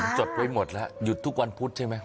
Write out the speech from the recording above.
จดไว้หมดแล้วหยุดทุกวันพุธใช่ไหม